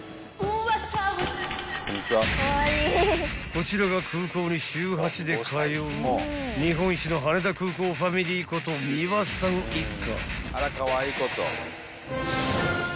［こちらが空港に週８で通う日本一の羽田空港ファミリーこと三輪さん一家］